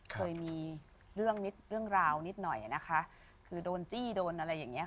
เคยมีเรื่องนิดเรื่องราวนิดหน่อยนะคะคือโดนจี้โดนอะไรอย่างเงี้